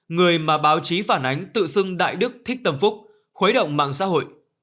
người mà báo chí phản ánh tự xưng đại đức thích tâm phúc khuấy động mạng xã hội